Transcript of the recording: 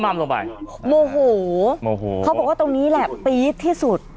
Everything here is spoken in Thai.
มูหูเขาบอกว่าตรงนี้แหละปี๊ดที่สุด